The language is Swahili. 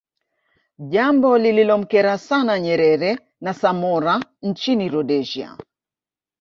Jambo lililomkera sana Nyerere na Samora Nchini Rhodesia